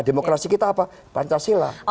demokrasi kita apa pancasila